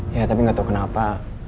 ya tapi gak tau kenapa